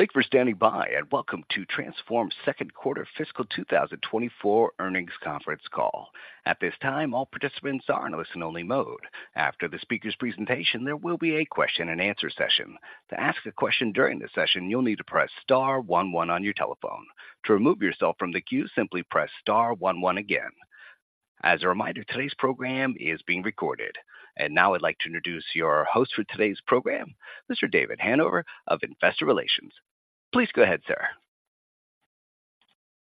Thank you for standing by, and welcome to Transphorm's Second Quarter Fiscal 2024 Earnings Conference Call. At this time, all participants are in listen-only mode. After the speaker's presentation, there will be a question and answer session. To ask a question during the session, you'll need to press star one, one on your telephone. To remove yourself from the queue, simply press star one, one again. As a reminder, today's program is being recorded. And now I'd like to introduce your host for today's program, Mr. David Hanover of Investor Relations. Please go ahead, sir.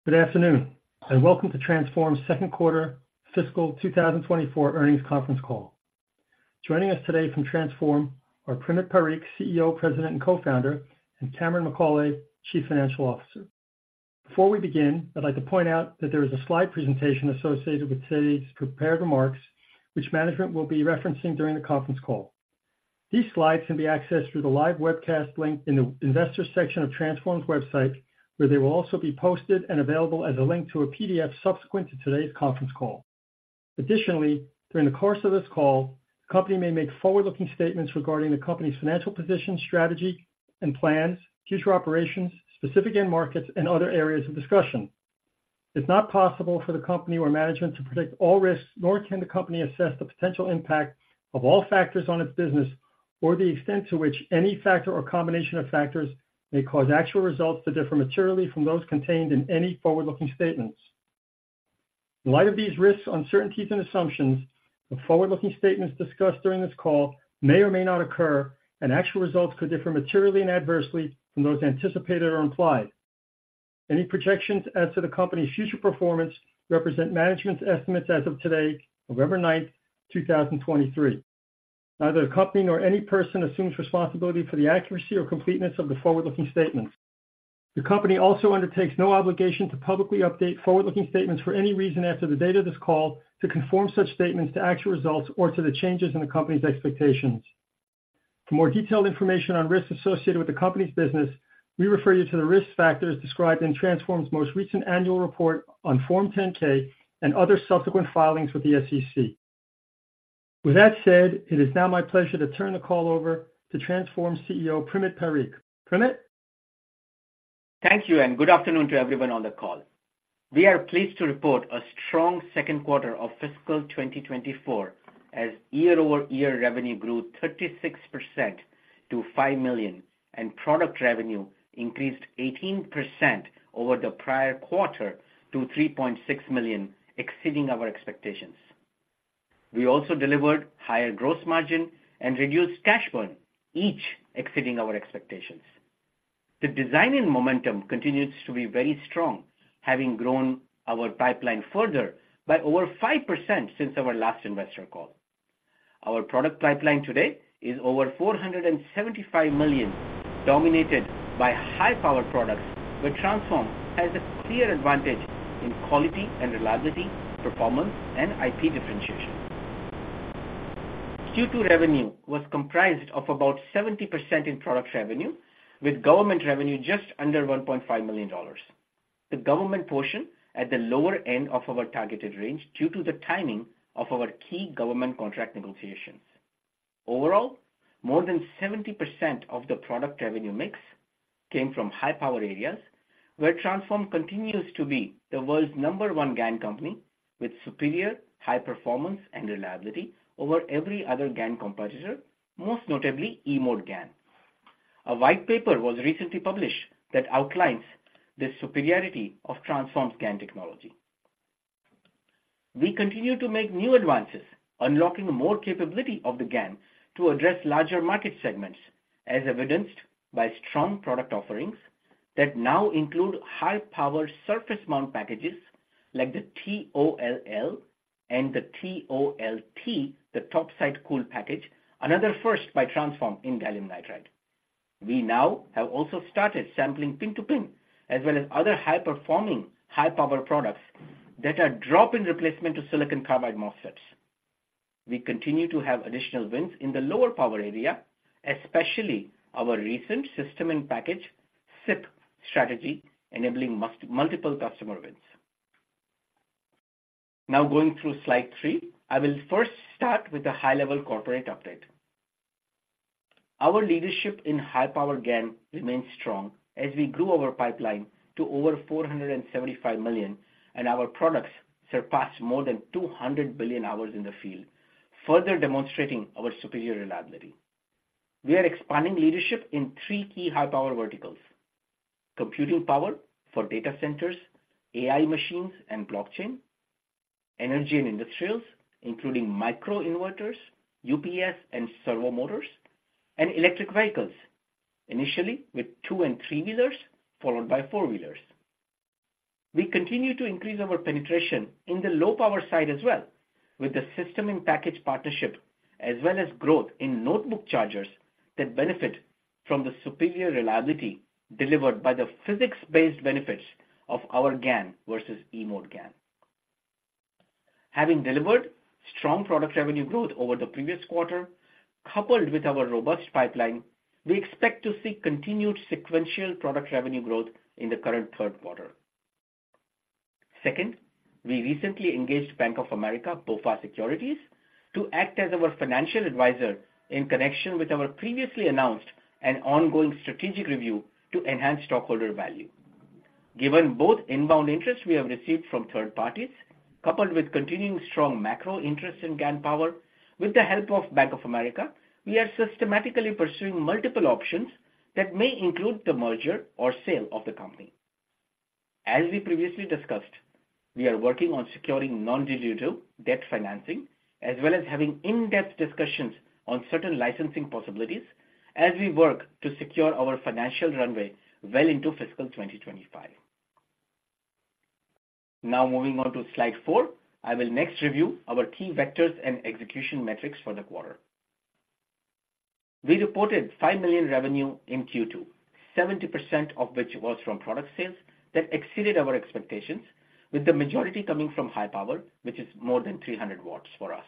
Good afternoon, and welcome to Transphorm's second quarter fiscal 2024 earnings conference call. Joining us today from Transphorm are Primit Parikh, CEO, President, and Co-founder, and Cameron McAulay, Chief Financial Officer. Before we begin, I'd like to point out that there is a slide presentation associated with today's prepared remarks, which management will be referencing during the conference call. These slides can be accessed through the live webcast link in the investor section of Transphorm's website, where they will also be posted and available as a link to a PDF subsequent to today's conference call. Additionally, during the course of this call, the company may make forward-looking statements regarding the company's financial position, strategy and plans, future operations, specific end markets, and other areas of discussion. It's not possible for the company or management to predict all risks, nor can the company assess the potential impact of all factors on its business or the extent to which any factor or combination of factors may cause actual results to differ materially from those contained in any forward-looking statements. In light of these risks, uncertainties, and assumptions, the forward-looking statements discussed during this call may or may not occur, and actual results could differ materially and adversely from those anticipated or implied. Any projections as to the company's future performance represent management's estimates as of today, November ninth, two thousand and twenty-three. Neither the company nor any person assumes responsibility for the accuracy or completeness of the forward-looking statements. The company also undertakes no obligation to publicly update forward-looking statements for any reason after the date of this call, to conform such statements to actual results or to the changes in the company's expectations. For more detailed information on risks associated with the company's business, we refer you to the risk factors described in Transphorm's most recent annual report on Form 10-K and other subsequent filings with the SEC. With that said, it is now my pleasure to turn the call over to Transphorm CEO, Primit Parikh. Primit? Thank you, and good afternoon to everyone on the call. We are pleased to report a strong second quarter of fiscal 2024, as year-over-year revenue grew 36% to $5 million, and product revenue increased 18% over the prior quarter to $3.6 million, exceeding our expectations. We also delivered higher gross margin and reduced cash burn, each exceeding our expectations. The design-in momentum continues to be very strong, having grown our pipeline further by over 5% since our last investor call. Our product pipeline today is over $475 million, dominated by high-power products, where Transphorm has a clear advantage in quality and reliability, performance, and IP differentiation. Q2 revenue was comprised of about 70% in product revenue, with government revenue just under $1.5 million. The government portion at the lower end of our targeted range due to the timing of our key government contract negotiations. Overall, more than 70% of the product revenue mix came from high-power areas, where Transphorm continues to be the world's number one GaN company, with superior high performance and reliability over every other GaN competitor, most notably E-Mode GaN. A white paper was recently published that outlines the superiority of Transphorm's GaN technology. We continue to make new advances, unlocking more capability of the GaN to address larger market segments, as evidenced by strong product offerings that now include high-powered surface mount packages like the TOLL and the TOLT, the top-side cooled package, another first by Transphorm in gallium nitride. We now have also started sampling pin-to-pin, as well as other high-performing, high-power products that are drop-in replacement to silicon carbide MOSFETs. We continue to have additional wins in the lower power area, especially our recent system-in-package SiP strategy, enabling multiple customer wins. Now, going through slide three, I will first start with a high-level corporate update. Our leadership in high-power GaN remains strong as we grew our pipeline to over $475 million, and our products surpassed more than 200 billion hours in the field, further demonstrating our superior reliability. We are expanding leadership in three key high-power verticals: computing power for data centers, AI machines, and blockchain. Energy and industrials, including microinverters, UPS and servo motors. And electric vehicles, initially with two and three-wheelers, followed by four-wheelers. We continue to increase our penetration in the low-power side as well, with the system and package partnership, as well as growth in notebook chargers that benefit from the superior reliability delivered by the physics-based benefits of our GaN versus E-Mode GaN. Having delivered strong product revenue growth over the previous quarter, coupled with our robust pipeline, we expect to see continued sequential product revenue growth in the current third quarter. Second, we recently engaged Bank of America, BofA Securities, to act as our financial advisor in connection with our previously announced and ongoing strategic review to enhance stockholder value. Given both inbound interest we have received from third parties, coupled with continuing strong macro interest in GaN power, with the help of Bank of America, we are systematically pursuing multiple options that may include the merger or sale of the company. As we previously discussed, we are working on securing non-dilutive debt financing, as well as having in-depth discussions on certain licensing possibilities, as we work to secure our financial runway well into fiscal 2025. Now, moving on to slide 4, I will next review our key vectors and execution metrics for the quarter. We reported $5 million revenue in Q2, 70% of which was from product sales that exceeded our expectations, with the majority coming from high power, which is more than 300 W for us.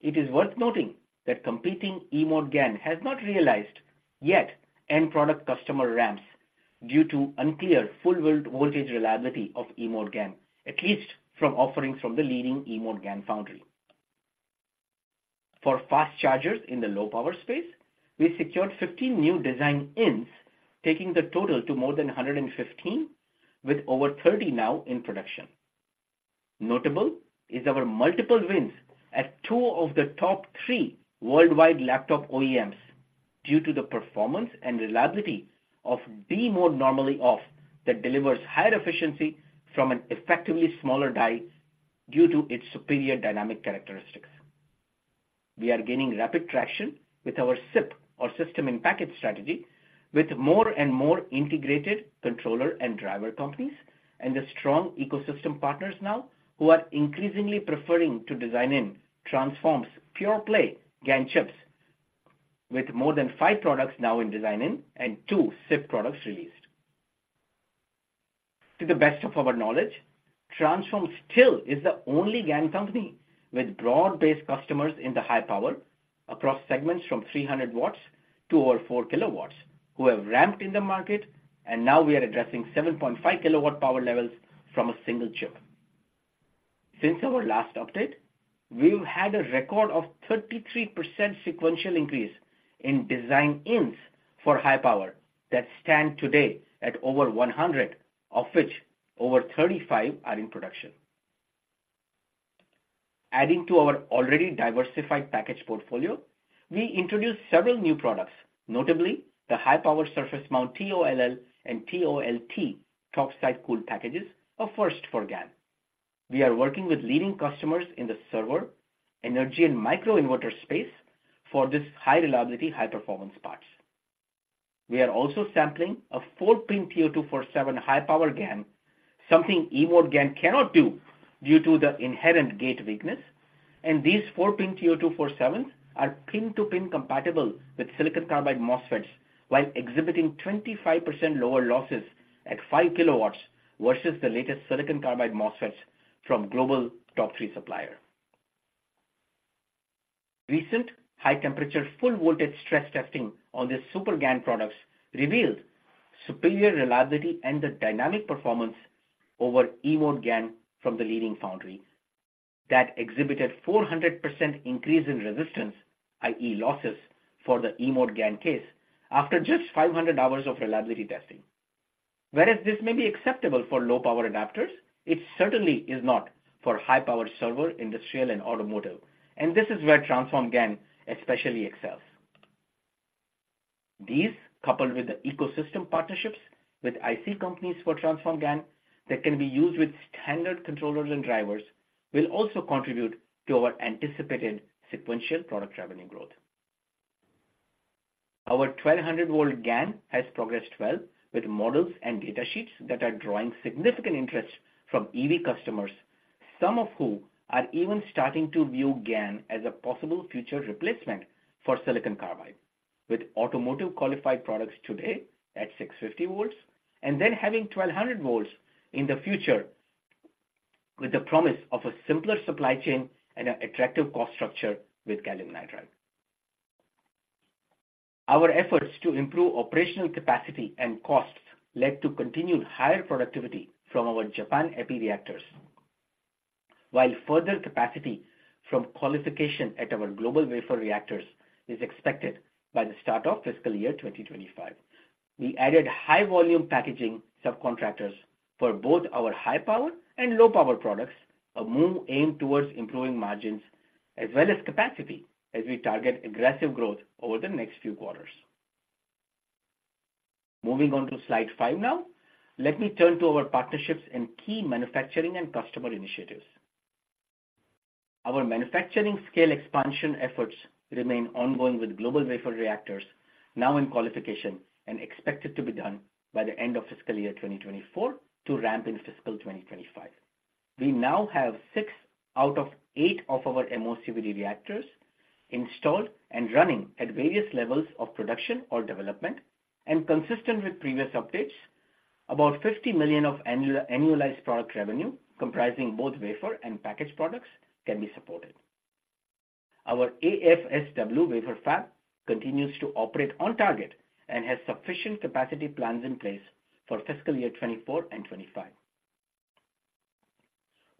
It is worth noting that competing E-Mode GaN has not realized yet end product customer ramps due to unclear real world voltage reliability of E-Mode GaN, at least from offerings from the leading E-Mode GaN foundry. For fast chargers in the low power space, we secured 50 new design wins, taking the total to more than 115, with over 30 now in production. Notable is our multiple wins at two of the top three worldwide laptop OEMs, due to the performance and reliability of D-mode normally-off, that delivers higher efficiency from an effectively smaller die due to its superior dynamic characteristics. We are gaining rapid traction with our SiP, or system in package strategy, with more and more integrated controller and driver companies, and the strong ecosystem partners now, who are increasingly preferring to design-in Transphorm's pure play GaN chips, with more than five products now in design-in and two SiP products released. To the best of our knowledge, Transphorm still is the only GaN company with broad-based customers in the high power, across segments from 300 W to over 4 kW, who have ramped in the market, and now we are addressing 7.5 kW power levels from a single chip. Since our last update, we've had a record of 33% sequential increase in design wins for high power, that stand today at over 100, of which over 35 are in production. Adding to our already diversified package portfolio, we introduced several new products, notably the high-power surface mount TOLL and TOLT top-side cooled packages, a first for GaN. We are working with leading customers in the server, energy, and microinverter space for this high-reliability, high-performance parts. We are also sampling a four-pin TO-247-4 high-power GaN, something E-Mode GaN cannot do due to the inherent gate weakness. These four-pin TO-247-4 are pin-to-pin compatible with silicon carbide MOSFETs, while exhibiting 25% lower losses at 5 kW versus the latest silicon carbide MOSFETs from global top-three supplier. Recent high-temperature, full-voltage stress testing on these SuperGaN products revealed superior reliability and the dynamic performance over E-Mode GaN from the leading foundry, that exhibited 400% increase in resistance, i.e., losses, for the E-Mode GaN case after just 500 hours of reliability testing. Whereas this may be acceptable for low-power adapters, it certainly is not for high-power server, industrial, and automotive, and this is where Transphorm GaN especially excels. These, coupled with the ecosystem partnerships with IC companies for Transphorm GaN, that can be used with standard controllers and drivers, will also contribute to our anticipated sequential product revenue growth. Our 1200 V GaN has progressed well with models and data sheets that are drawing significant interest from EV customers, some of whom are even starting to view GaN as a possible future replacement for silicon carbide, with automotive-qualified products today at 650 V, and then having 1200 V in the future, with the promise of a simpler supply chain and an attractive cost structure with gallium nitride. Our efforts to improve operational capacity and costs led to continued higher productivity from our Japan epi reactors. While further capacity from qualification at our GlobalWafers reactors is expected by the start of fiscal year 2025. We added high-volume packaging subcontractors for both our high-power and low-power products, a move aimed towards improving margins as well as capacity, as we target aggressive growth over the next few quarters. Moving on to slide 5 now. Let me turn to our partnerships in key manufacturing and customer initiatives. Our manufacturing scale expansion efforts remain ongoing with GlobalWafers reactors, now in qualification and expected to be done by the end of fiscal year 2024 to ramp in fiscal 2025. We now have six out of eight of our MOCVD reactors installed and running at various levels of production or development. Consistent with previous updates, about $50 million of annual, annualized product revenue, comprising both wafer and packaged products, can be supported. Our AFSW wafer fab continues to operate on target and has sufficient capacity plans in place for fiscal year 2024 and 2025.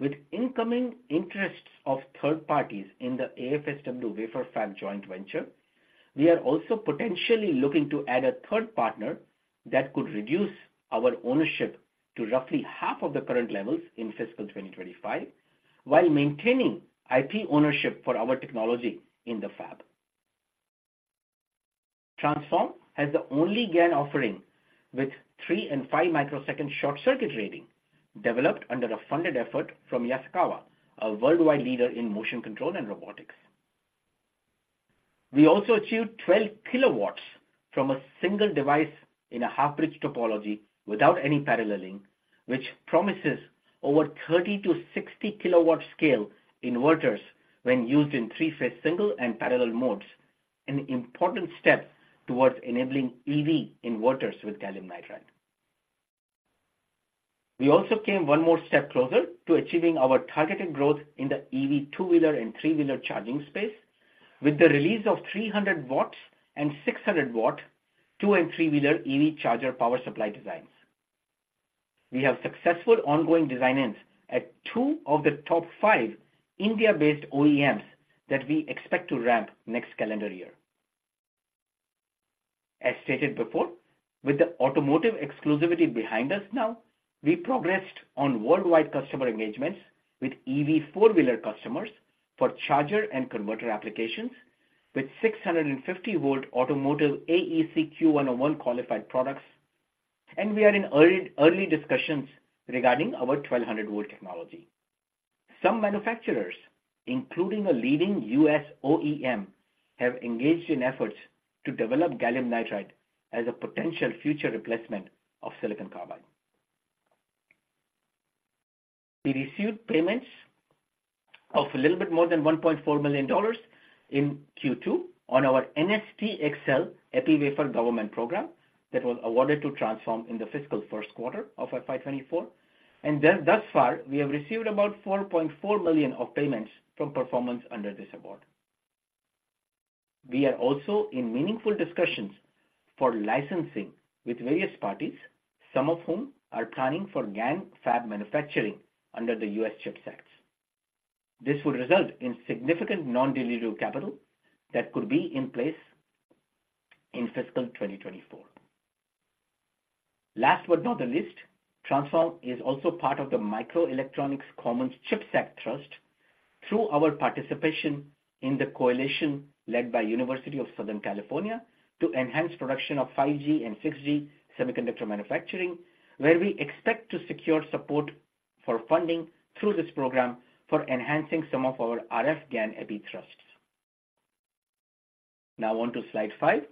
With incoming interests of third parties in the AFSW wafer fab joint venture, we are also potentially looking to add a third partner that could reduce our ownership to roughly half of the current levels in fiscal 2025, while maintaining IP ownership for our technology in the fab. Transphorm has the only GaN offering with three and five-microsecond short circuit rating, developed under a funded effort from Yaskawa, a worldwide leader in motion control and robotics. We also achieved 12 kW from a single device in a half-bridge topology without any paralleling, which promises over 30- to 60-kW scale inverters when used in three-phase, single- and parallel modes, an important step towards enabling EV inverters with gallium nitride. We also came one more step closer to achieving our targeted growth in the EV 2-wheeler and 3-wheeler charging space, with the release of 300 W and 600 W 2- and 3-wheeler EV charger power supply designs. We have successful ongoing design-ins at two of the top five India-based OEMs that we expect to ramp next calendar year. As stated before, with the automotive exclusivity behind us now, we progressed on worldwide customer engagements with EV 4-wheeler customers for charger and converter applications, with 650 V automotive AEC-Q101 qualified products, and we are in early, early discussions regarding our 1200 V technology. Some manufacturers, including a leading US OEM, have engaged in efforts to develop gallium nitride as a potential future replacement of silicon carbide. We received payments of a little bit more than $1.4 million in Q2 on our NSTXL epi wafer government program that was awarded to Transphorm in the fiscal first quarter of FY 2024, and then thus far, we have received about $4.4 million of payments from performance under this award. We are also in meaningful discussions for licensing with various parties, some of whom are planning for GaN fab manufacturing under the U.S. CHIPS Act. This would result in significant non-dilutive capital that could be in place in fiscal 2024. Last but not the least, Transphorm is also part of the Microelectronics Commons CHIPS Act Trust through our participation in the coalition led by University of Southern California to enhance production of 5G and 6G semiconductor manufacturing, where we expect to secure support for funding through this program for enhancing some of our RF GaN epi thrusts. Now on to slide 5.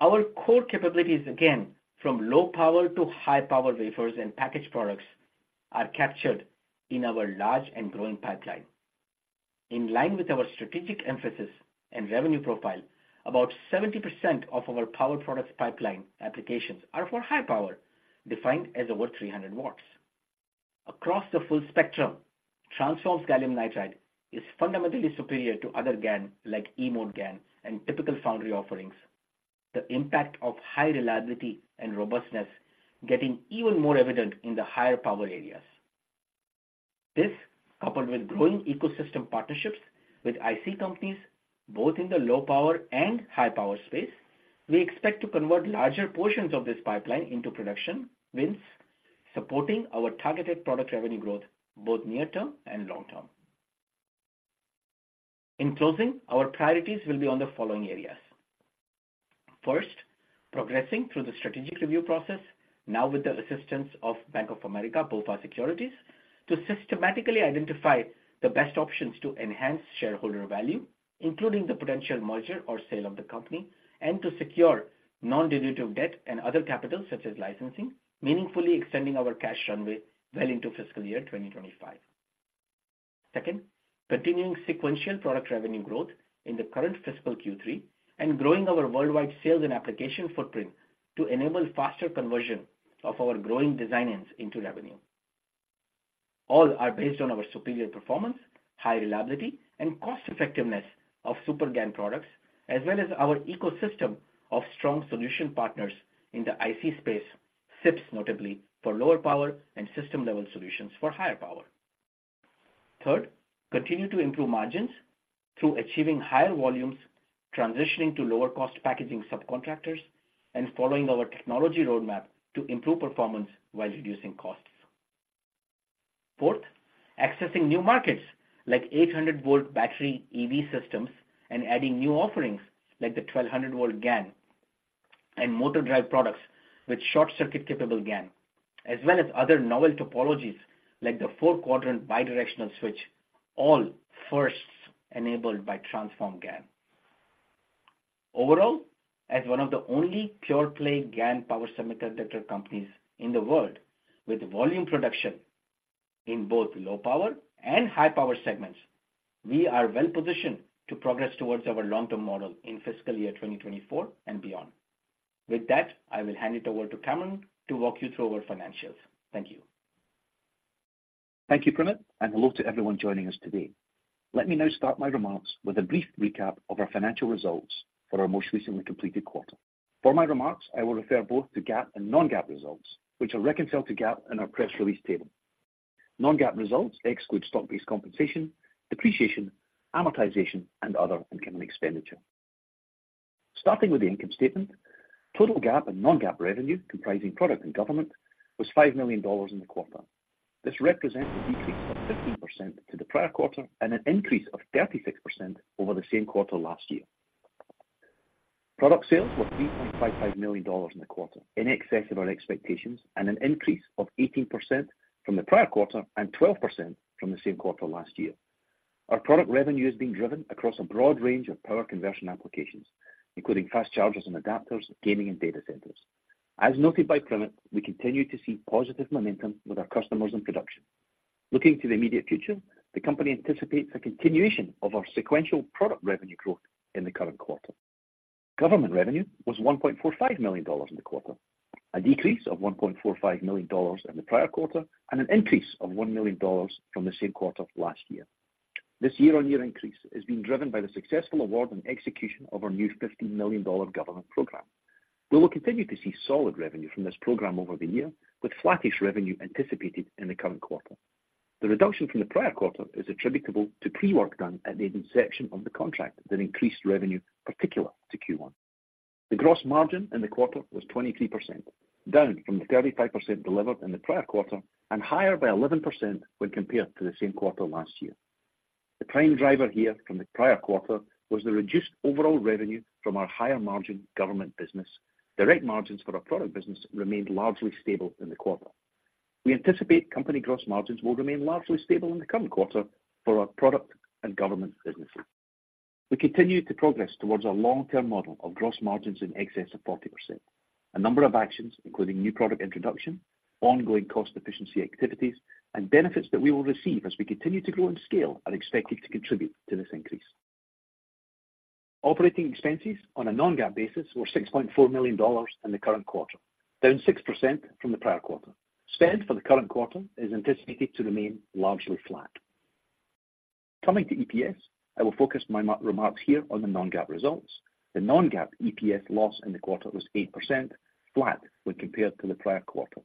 Our core capabilities, again, from low power to high power wafers and packaged products, are captured in our large and growing pipeline. In line with our strategic emphasis and revenue profile, about 70% of our power products pipeline applications are for high power, defined as over 300 V. Across the full spectrum, Transphorm's gallium nitride is fundamentally superior to other GaN, like E-Mode GaN and typical foundry offerings. The impact of high reliability and robustness getting even more evident in the higher power areas. This, coupled with growing ecosystem partnerships with IC companies, both in the low power and high power space, we expect to convert larger portions of this pipeline into production, hence supporting our targeted product revenue growth, both near term and long term. In closing, our priorities will be on the following areas: First, progressing through the strategic review process, now with the assistance of Bank of America, BofA Securities, to systematically identify the best options to enhance shareholder value, including the potential merger or sale of the company, and to secure non-dilutive debt and other capital, such as licensing, meaningfully extending our cash runway well into fiscal year 2025. Second, continuing sequential product revenue growth in the current fiscal Q3 and growing our worldwide sales and application footprint to enable faster conversion of our growing design-ins into revenue. All are based on our superior performance, high reliability, and cost-effectiveness of SuperGaN products, as well as our ecosystem of strong solution partners in the IC space, SiPs, notably, for lower power and system-level solutions for higher power. Third, continue to improve margins through achieving higher volumes, transitioning to lower-cost packaging subcontractors, and following our technology roadmap to improve performance while reducing costs. Fourth, accessing new markets like 800 V battery EV systems and adding new offerings like the 1200 V GaN and motor drive products with short-circuit-capable GaN, as well as other novel topologies like the four-quadrant bidirectional switch, all firsts enabled by Transphorm GaN. Overall, as one of the only pure-play GaN power semiconductor companies in the world with volume production in both low power and high power segments, we are well-positioned to progress towards our long-term model in fiscal year 2024 and beyond. With that, I will hand it over to Cameron to walk you through our financials. Thank you. Thank you, Primit, and hello to everyone joining us today. Let me now start my remarks with a brief recap of our financial results for our most recently completed quarter. For my remarks, I will refer both to GAAP and non-GAAP results, which are reconciled to GAAP in our press release table. Non-GAAP results exclude stock-based compensation, depreciation, amortization, and other income and expenditure. Starting with the income statement, total GAAP and non-GAAP revenue, comprising product and government, was $5 million in the quarter. This represents a decrease of 15% to the prior quarter and an increase of 36% over the same quarter last year. Product sales were $3.55 million in the quarter, in excess of our expectations and an increase of 18% from the prior quarter and 12% from the same quarter last year. Our product revenue is being driven across a broad range of power conversion applications, including fast chargers and adapters, gaming and data centers. As noted by Primit, we continue to see positive momentum with our customers in production. Looking to the immediate future, the company anticipates a continuation of our sequential product revenue growth in the current quarter. Government revenue was $1.45 million in the quarter, a decrease of $1.45 million in the prior quarter, and an increase of $1 million from the same quarter last year. This year-on-year increase is being driven by the successful award and execution of our new $15 million government program. We will continue to see solid revenue from this program over the year, with flattish revenue anticipated in the current quarter. The reduction from the prior quarter is attributable to pre-work done at the inception of the contract that increased revenue particular to Q1. The gross margin in the quarter was 23%, down from the 35% delivered in the prior quarter and higher by 11% when compared to the same quarter last year. The prime driver here from the prior quarter was the reduced overall revenue from our higher-margin government business. Direct margins for our product business remained largely stable in the quarter. We anticipate company gross margins will remain largely stable in the current quarter for our product and government businesses. We continue to progress towards our long-term model of gross margins in excess of 40%. A number of actions, including new product introduction, ongoing cost efficiency activities, and benefits that we will receive as we continue to grow and scale, are expected to contribute to this increase. Operating expenses on a non-GAAP basis were $6.4 million in the current quarter, down 6% from the prior quarter. Spend for the current quarter is anticipated to remain largely flat. Coming to EPS, I will focus my remarks here on the non-GAAP results. The non-GAAP EPS loss in the quarter was 8%, flat when compared to the prior quarter.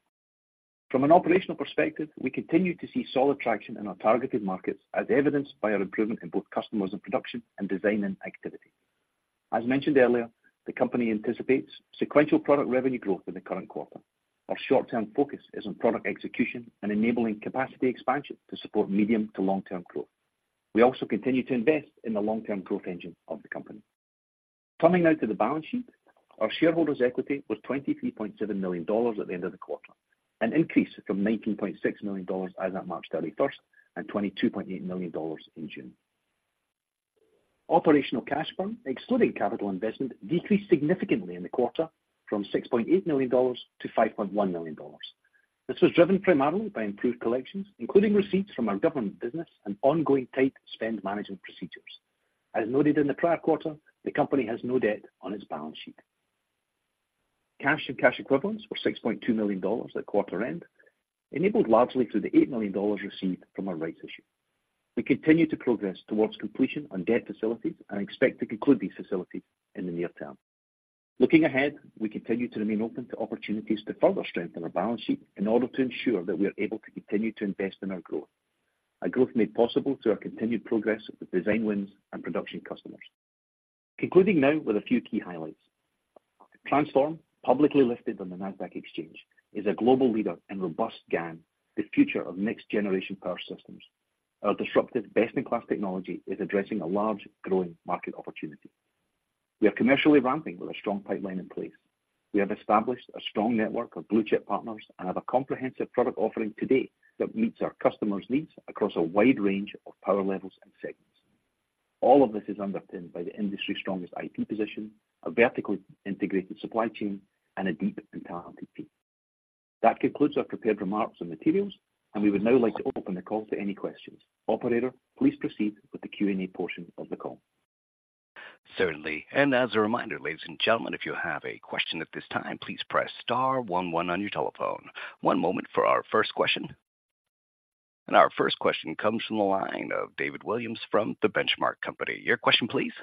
From an operational perspective, we continue to see solid traction in our targeted markets, as evidenced by our improvement in both customers and production and design and activity. As mentioned earlier, the company anticipates sequential product revenue growth in the current quarter. Our short-term focus is on product execution and enabling capacity expansion to support medium to long-term growth. We also continue to invest in the long-term growth engine of the company. Coming now to the balance sheet, our shareholders' equity was $23.7 million at the end of the quarter, an increase from $19.6 million as at March thirty-first and $22.8 million in June. Operational cash burn, excluding capital investment, decreased significantly in the quarter from $6.8 million-$5.1 million. This was driven primarily by improved collections, including receipts from our government business and ongoing tight spend management procedures. As noted in the prior quarter, the company continues to progress towards completion on debt facilities and expect to conclude these facilities in the near term. Looking ahead, we continue to remain open to opportunities to further strengthen our balance sheet in order to ensure that we are able to continue to invest in our growth. A growth made possible through our continued progress with design wins and production customers. Concluding now with a few key highlights. Transphorm, publicly listed on the Nasdaq Exchange, is a global leader in robust GaN, the future of next-generation power systems. Our disruptive, best-in-class technology is addressing a large, growing market opportunity. We are commercially ramping with a strong pipeline in place. We have established a strong network of blue-chip partners and have a comprehensive product offering today that meets our customers' needs across a wide range of power levels and segments. All of this is underpinned by the industry's strongest IP position, a vertically integrated supply chain, and a deep and talented team. That concludes our prepared remarks and materials, and we would now like to open the call to any questions. Operator, please proceed with the Q&A portion of the call. Certainly. And as a reminder, ladies and gentlemen, if you have a question at this time, please press star one one on your telephone. One moment for our first question. And our first question comes from the line of David Williams from The Benchmark Company. Your question, please?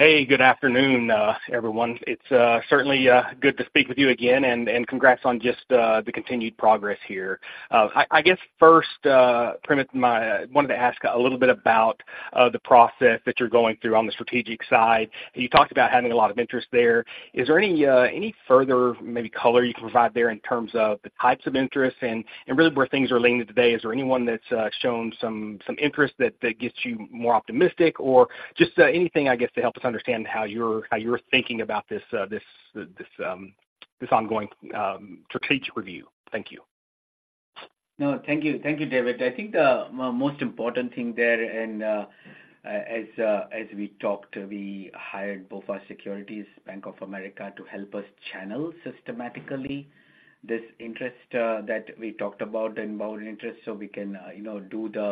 Hey, good afternoon, everyone. It's certainly good to speak with you again, and congrats on just the continued progress here. I guess first, Primit, my—I wanted to ask a little bit about the process that you're going through on the strategic side. You talked about having a lot of interest there. Is there any any further maybe color you can provide there in terms of the types of interests and really where things are leaning today? Is there anyone that's shown some some interest that that gets you more optimistic? Or just anything, I guess, to help us understand how you're how you're thinking about this this this this ongoing strategic review. Thank you. No, thank you. Thank you, David. I think the most important thing there and, as we talked, we hired BofA Securities, Bank of America, to help us channel systematically this interest that we talked about and abundant interest, so we can, you know, do the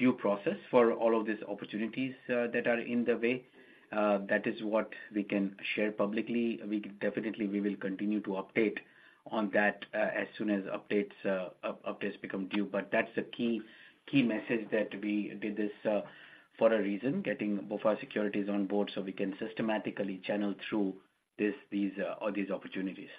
due process for all of these opportunities that are in the way. That is what we can share publicly. We definitely will continue to update on that as soon as updates become due. But that's the key, key message, that we did this for a reason, getting BofA Securities on board, so we can systematically channel through these all these opportunities....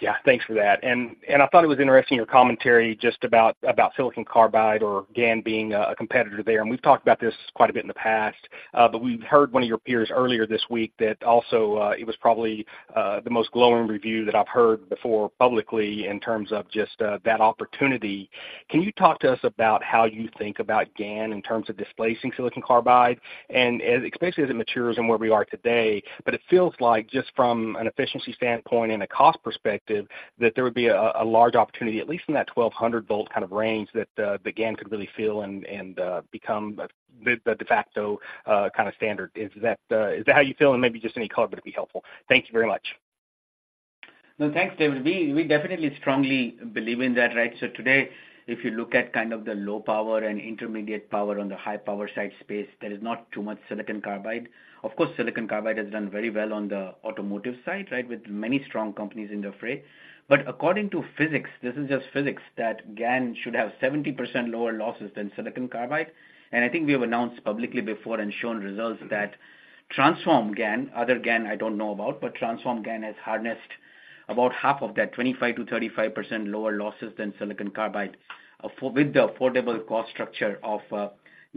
Yeah, thanks for that. And I thought it was interesting, your commentary just about silicon carbide or GaN being a competitor there. And we've talked about this quite a bit in the past, but we've heard one of your peers earlier this week that also it was probably the most glowing review that I've heard before publicly in terms of just that opportunity. Can you talk to us about how you think about GaN in terms of displacing silicon carbide? And especially as it matures and where we are today, but it feels like just from an efficiency standpoint and a cost perspective, that there would be a large opportunity, at least in that 1200 V kind of range, that the GaN could really fill and become the de facto kind of standard. Is that, is that how you feel? And maybe just any color would be helpful. Thank you very much. No, thanks, David. We, we definitely strongly believe in that, right? So today, if you look at kind of the low power and intermediate power on the high power side space, there is not too much silicon carbide. Of course, silicon carbide has done very well on the automotive side, right, with many strong companies in the fray. But according to physics, this is just physics, that GaN should have 70% lower losses than silicon carbide. And I think we have announced publicly before and shown results that Transphorm GaN, other GaN I don't know about, but Transphorm GaN has harnessed about half of that, 25%-35% lower losses than silicon carbide, with the affordable cost structure of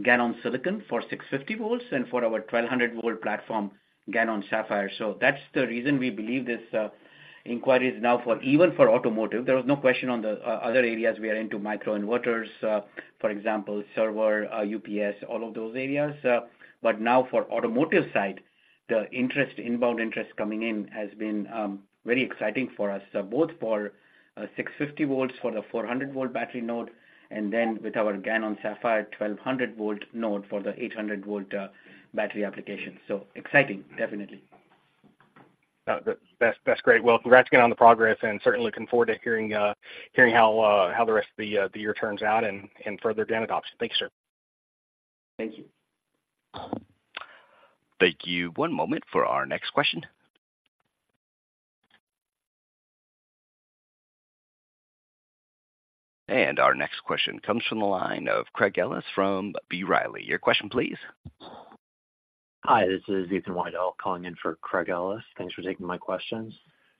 GaN on silicon for 650 V and for our 1200 V platform, GaN on Sapphire. So that's the reason we believe this inquiry is now for even for automotive. There is no question on the other areas we are into micro inverters, for example, server UPS, all of those areas. But now for automotive side, the interest, inbound interest coming in has been very exciting for us, both for 650 V, for the 400 V battery node, and then with our GaN-on-Sapphire, 1200 V node for the 800 V battery application. So exciting, definitely. Good. That's great. Well, congrats again on the progress and certainly looking forward to hearing how the rest of the year turns out and further GaN adoption. Thank you, sir. Thank you. Thank you. One moment for our next question. Our next question comes from the line of Craig Ellis from B. Riley. Your question, please. Hi, this is Ethan Widell calling in for Craig Ellis. Thanks for taking my questions.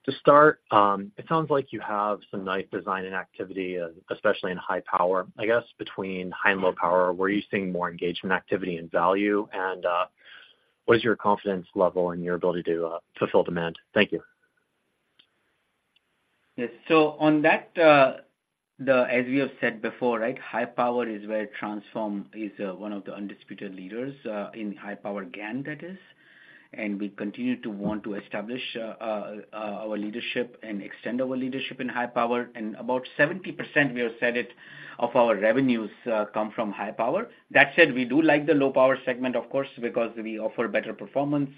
To start, it sounds like you have some nice design and activity, especially in high power. I guess between high and low power, where are you seeing more engagement, activity, and value? And, what is your confidence level in your ability to fulfill demand? Thank you. Yes. So on that, the, as we have said before, right, high power is where Transphorm is, one of the undisputed leaders, in high power GaN, that is, and we continue to want to establish, our leadership and extend our leadership in high power. And about 70%, we have said it, of our revenues, come from high power. That said, we do like the low power segment, of course, because we offer better performance,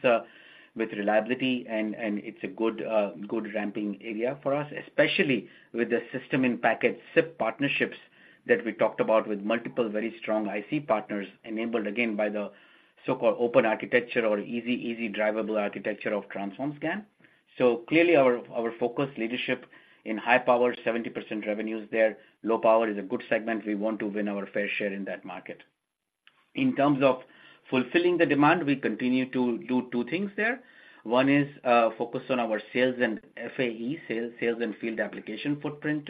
with reliability, and it's a good, good ramping area for us, especially with the system in package SiP partnerships that we talked about with multiple, very strong IC partners, enabled again, by the so-called open architecture or easy, easy drivable architecture of Transphorm's GaN. So clearly, our focus leadership in high power, 70% revenue is there. Low power is a good segment. We want to win our fair share in that market. In terms of fulfilling the demand, we continue to do two things there. One is, focus on our sales and FAE, sales, sales and field application footprint,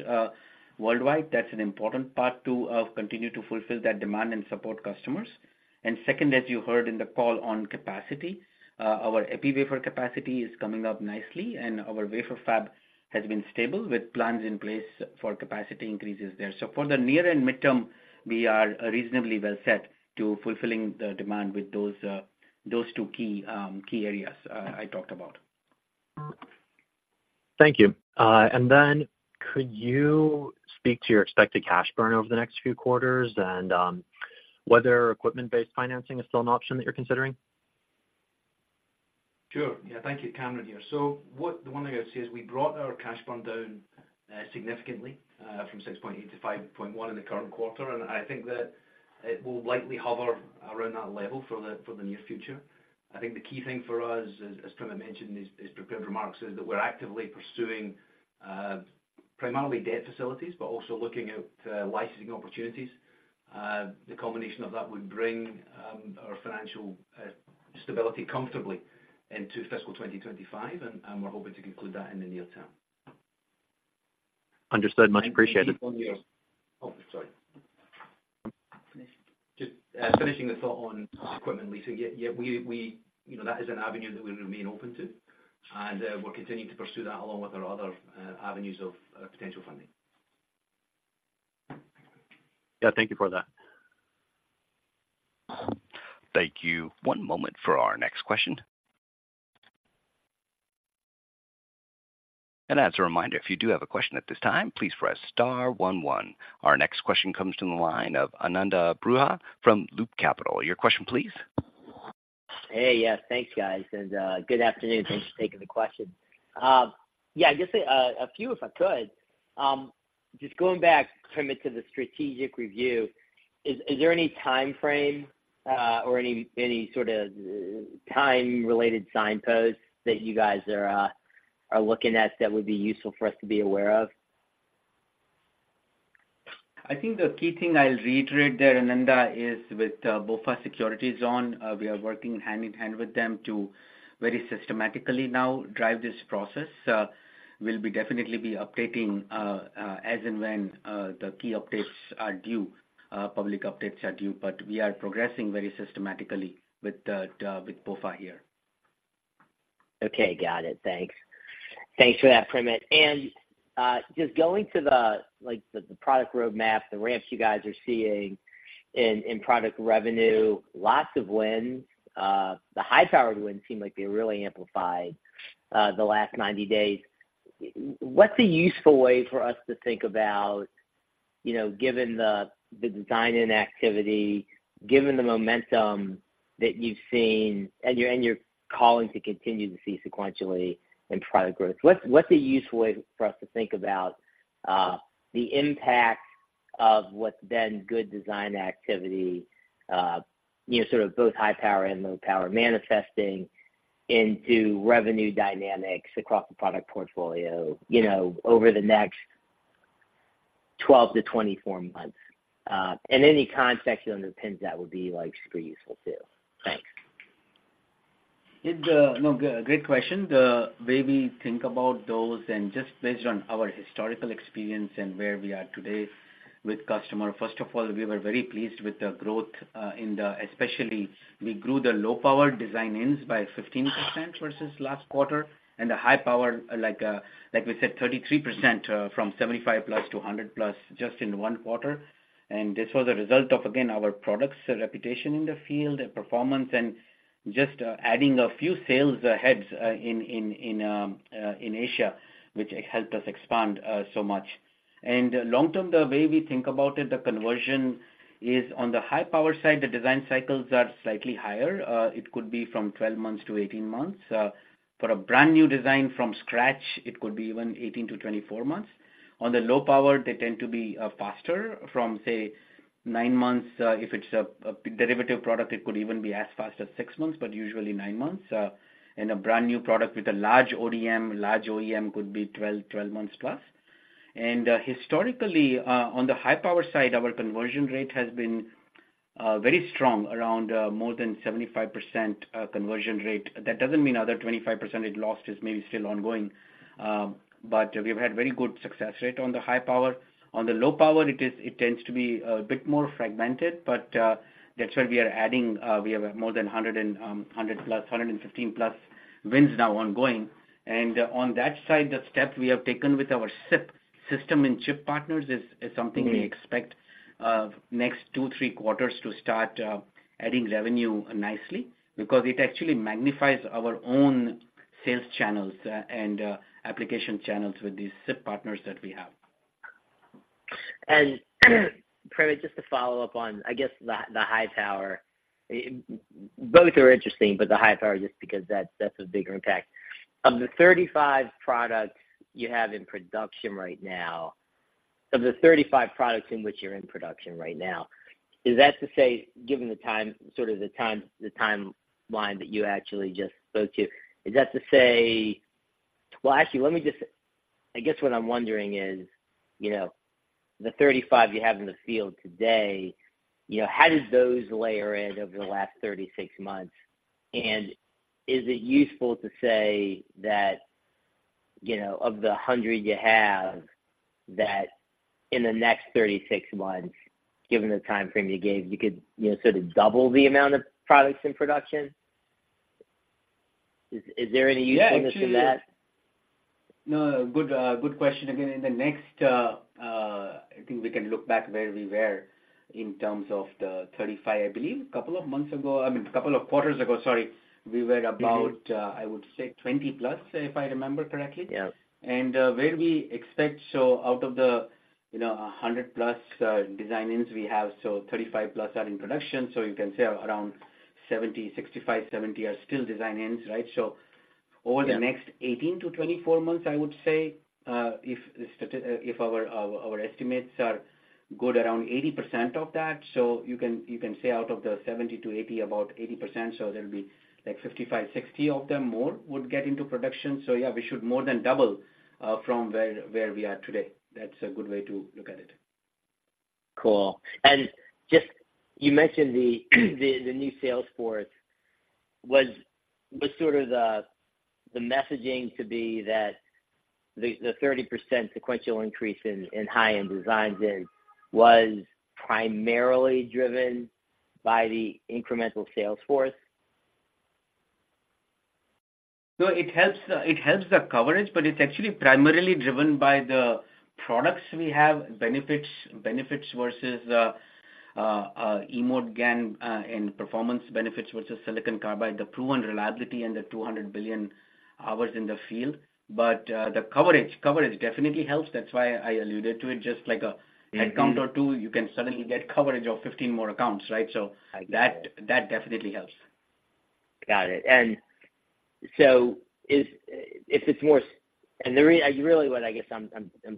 worldwide. That's an important part to, continue to fulfill that demand and support customers. And second, as you heard in the call on capacity, our epi wafer capacity is coming up nicely, and our wafer fab has been stable, with plans in place for capacity increases there. So for the near and midterm, we are reasonably well set to fulfilling the demand with those two key areas I talked about. Thank you. And then could you speak to your expected cash burn over the next few quarters and, whether equipment-based financing is still an option that you're considering? Sure. Yeah, thank you, Cameron here. So the one thing I would say is we brought our cash burn down, significantly, from $6.8 to $5.1 in the current quarter, and I think that it will likely hover around that level for the near future. I think the key thing for us, as Primit mentioned, in his prepared remarks, is that we're actively pursuing, primarily debt facilities, but also looking at, licensing opportunities. The combination of that would bring our financial stability comfortably into fiscal 2025, and we're hoping to conclude that in the near term. Understood. Much appreciated. Oh, sorry. Just, finishing the thought on equipment leasing. Yeah, yeah, we, we, you know, that is an avenue that we remain open to, and, we're continuing to pursue that along with our other, avenues of, potential funding. Yeah, thank you for that. Thank you. One moment for our next question. As a reminder, if you do have a question at this time, please press star one one. Our next question comes from the line of Ananda Baruah from Loop Capital. Your question, please. Hey, yes, thanks, guys, and good afternoon. Thanks for taking the question. Yeah, I guess a few, if I could. Just going back, Primit, to the strategic review, is there any timeframe or any sort of time-related signposts that you guys are looking at that would be useful for us to be aware of? I think the key thing I'll reiterate there, Ananda, is with BofA Securities on, we are working hand in hand with them to very systematically now drive this process. We'll definitely be updating as and when the key updates are due, public updates are due, but we are progressing very systematically with BofA here. Okay, got it. Thanks. Thanks for that, Primit. And, just going to the, like, product roadmap, the ramps you guys are seeing in product revenue, lots of wins. The high-powered wins seem like they're really amplified, the last 90 days. What's a useful way for us to think about, you know, given the design and activity, given the momentum that you've seen and you're calling to continue to see sequentially in product growth, what's a useful way for us to think about, the impact of what's then good design activity, you know, sort of both high power and low power, manifesting into revenue dynamics across the product portfolio, you know, over the next 12-24 months? And any context on the pins, that would be, like, super useful too. Thanks. Great question. The way we think about those and just based on our historical experience and where we are today with customer, first of all, we were very pleased with the growth, especially we grew the low-power design wins by 15% versus last quarter, and the high-power, like, like we said, 33%, from 75+ to 100+, just in one quarter. And this was a result of, again, our products reputation in the field, the performance, and just adding a few sales heads in Asia, which helped us expand so much. And long term, the way we think about it, the conversion is on the high-power side, the design cycles are slightly higher. It could be 12-18 months. For a brand new design from scratch, it could be even 18-24 months. On the low power, they tend to be faster from, say, nine months, if it's a derivative product, it could even be as fast as six months, but usually nine months. And a brand new product with a large ODM, large OEM could be 12, 12 months plus. Historically, on the high power side, our conversion rate has been very strong, around more than 75% conversion rate. That doesn't mean another 25% it lost is maybe still ongoing, but we've had very good success rate on the high power. On the low power, it tends to be a bit more fragmented, but that's why we are adding, we have more than 100 and 115 plus wins now ongoing. And on that side, the step we have taken with our SiP system in chip partners is something we expect next two, three quarters to start adding revenue nicely because it actually magnifies our own sales channels and application channels with these SiP partners that we have. Primit, just to follow up on, I guess, the high power. Uh, both are interesting, but the high power, just because that's a bigger impact. Of the 35 products you have in production right now, of the 35 products in which you're in production right now, is that to say, given the time, sort of the time, the timeline that you actually just spoke to, is that to say? Well, actually, let me just. I guess what I'm wondering is, you know, the 35 you have in the field today, you know, how did those layer in over the last 36 months? And is it useful to say that, you know, of the 100 you have, that in the next 36 months, given the time frame you gave, you could, you know, sort of double the amount of products in production? Is there any usefulness to that? No, good, good question again. In the next, I think we can look back where we were in terms of the 35. I believe a couple of months ago, I mean, a couple of quarters ago, sorry, we were about, I would say 20+, if I remember correctly. Yes. where we expect, so out of the, you know, 100+ design wins we have, so 35+ are in production, so you can say around 65-70 are still design wins, right? So- Yeah. Over the next 18-24 months, I would say, if our estimates are good, around 80% of that. So you can say out of the 70-80, about 80%, so there'll be like 55-60 of them more would get into production. So yeah, we should more than double from where we are today. That's a good way to look at it. Cool. And just you mentioned the new sales force. Was sort of the messaging to be that the 30% sequential increase in high-end designs was primarily driven by the incremental sales force? No, it helps, it helps the coverage, but it's actually primarily driven by the products we have, benefits, benefits versus E-Mode GaN, and performance benefits versus silicon carbide, the proven reliability and the 200 billion hours in the field. But the coverage definitely helps. That's why I alluded to it. Just like a- Mm-hmm... head count or two, you can suddenly get coverage of 15 more accounts, right? I get it. So that, that definitely helps. Got it. And so is it more, and really what I guess I'm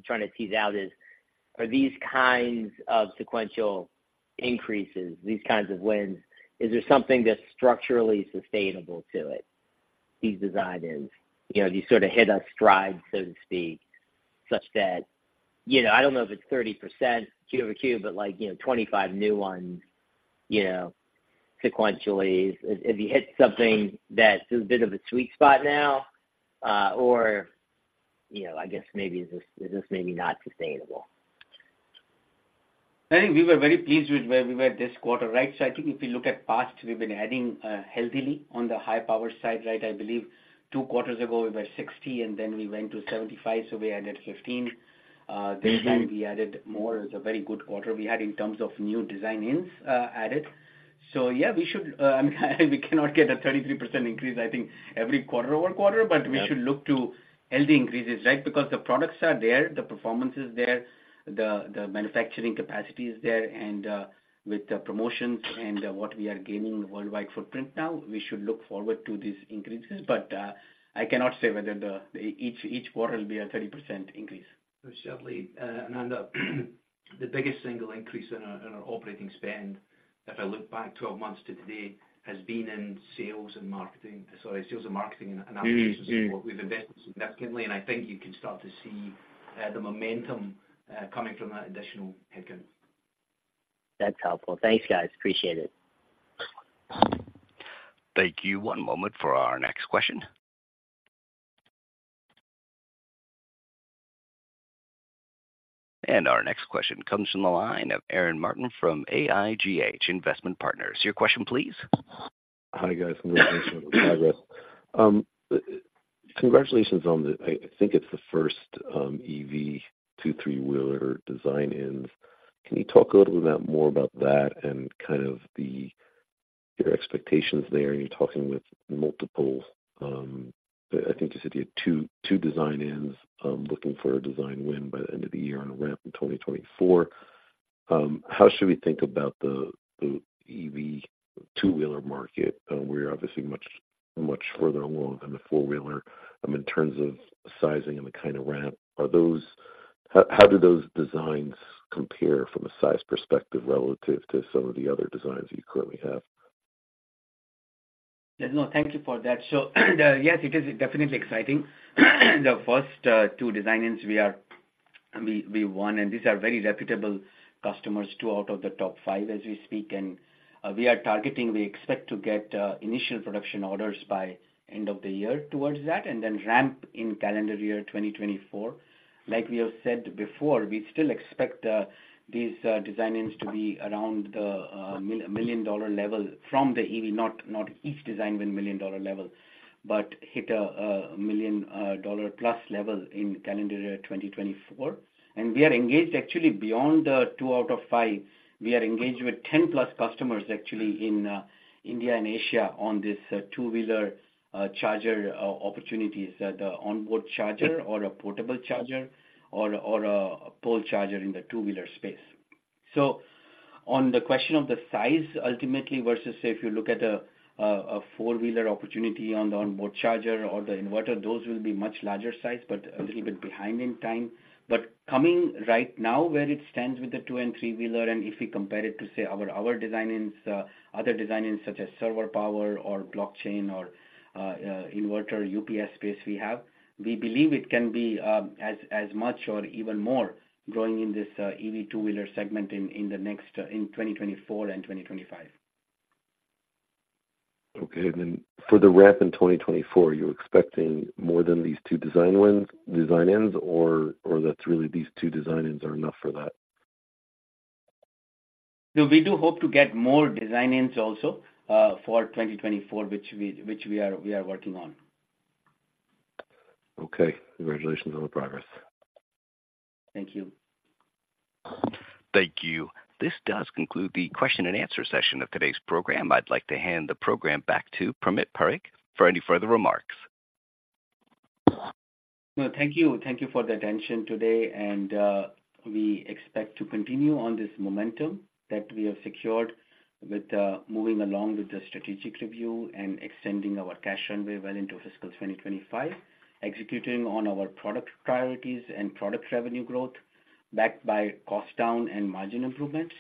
trying to tease out is, are these kinds of sequential increases, these kinds of wins, is there something that's structurally sustainable to it?... these design-ins, you know, you sort of hit a stride, so to speak, such that, you know, I don't know if it's 30% Q over Q, but like, you know, 25 new ones, you know, sequentially. Have you hit something that is a bit of a sweet spot now, or, you know, I guess maybe is this maybe not sustainable? I think we were very pleased with where we were this quarter, right? So I think if you look at past, we've been adding healthily on the high power side, right? I believe two quarters ago we were 60, and then we went to 75, so we added 15. This time we added more. It's a very good quarter we had in terms of new design-ins added. So, yeah, we should we cannot get a 33% increase, I think, every quarter-over-quarter, but we should look to healthy increases, right? Because the products are there, the performance is there, the manufacturing capacity is there, and with the promotions and what we are gaining worldwide footprint now, we should look forward to these increases. But I cannot say whether the each quarter will be a 30% increase. So certainly, Ananda, the biggest single increase in our operating spend, if I look back 12 months to today, has been in sales and marketing, sorry, sales and marketing and applications. Mm-hmm. We've invested significantly, and I think you can start to see the momentum coming from that additional headcount. That's helpful. Thanks, guys. Appreciate it. Thank you. One moment for our next question. Our next question comes from the line of Aaron Martin from AIGH Investment Partners. Your question, please. Hi, guys. Congratulations on the—I think it's the first EV two-, three-wheeler design ins. Can you talk a little bit more about that and kind of the your expectations there? You're talking with multiple. I think you said you had two design ins, looking for a design win by the end of the year on a ramp in 2024. How should we think about the the EV two-wheeler market? We're obviously much, much further along than the four-wheeler. In terms of sizing and the kind of ramp, are those—how do those designs compare from a size perspective relative to some of the other designs you currently have? Yeah, no, thank you for that. So yes, it is definitely exciting. The first two design ins we won, and these are very reputable customers, two out of the top five as we speak. And we are targeting, we expect to get initial production orders by end of the year towards that, and then ramp in calendar year 2024. Like we have said before, we still expect these design ins to be around the $1 million level from the EV, not each design win $1 million level, but hit a $1 million+ level in calendar year 2024. And we are engaged actually beyond the two out of five. We are engaged with 10+ customers, actually, in India and Asia on this two-wheeler charger opportunities, the onboard charger or a portable charger or a pole charger in the two-wheeler space. So on the question of the size, ultimately, versus if you look at a four-wheeler opportunity on the onboard charger or the inverter, those will be much larger size, but a little bit behind in time. But coming right now, where it stands with the two- and three-wheeler, and if we compare it to, say, our design-ins, other design-ins, such as server power or blockchain or inverter UPS space we have, we believe it can be as much or even more growing in this EV two-wheeler segment in the next in 2024 and 2025. Okay. Then for the ramp in 2024, you're expecting more than these two design wins, design-ins, or, or that's really these two design-ins are enough for that? No, we do hope to get more design-ins also for 2024, which we are working on. Okay. Congratulations on the progress. Thank you. Thank you. This does conclude the question and answer session of today's program. I'd like to hand the program back to Primit Parikh for any further remarks. Well, thank you. Thank you for the attention today, and, we expect to continue on this momentum that we have secured with, moving along with the strategic review and extending our cash runway well into fiscal 2025, executing on our product priorities and product revenue growth, backed by cost down and margin improvements,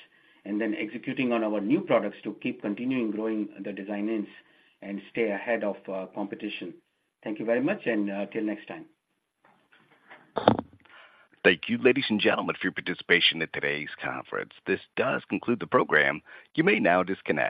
and then executing on our new products to keep continuing growing the design-ins and stay ahead of, competition. Thank you very much, and, till next time. Thank you, ladies and gentlemen, for your participation in today's conference. This does conclude the program. You may now disconnect.